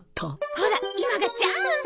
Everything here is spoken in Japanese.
ほら今がチャンス！